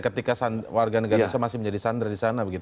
ketika warga negara indonesia masih menjadi sandra di sana